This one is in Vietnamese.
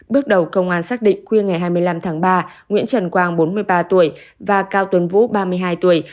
bước đầu công an xác định khuya ngày hai mươi năm tháng ba nguyễn trần quang bốn mươi ba tuổi và cao tuấn vũ ba mươi hai tuổi